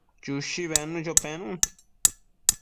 Chushi bednucho penun